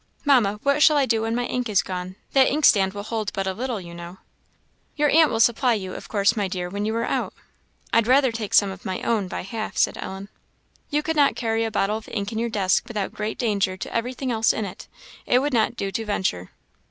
"Mamma, what shall I do when my ink is gone? that inkstand will hold but a little, you know." "Your aunt will supply you, of course, my dear, when you are out." "I'd rather take some of my own, by half," said Ellen. "You could not carry a bottle of ink in your desk without great danger to every thing else in it. It would not do to venture."